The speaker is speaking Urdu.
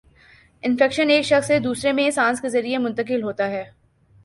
انفیکشن ایک شخص سے دوسرے میں سانس کے ذریعے منتقل ہوتا ہے